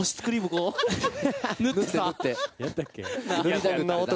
こう、塗ってさ。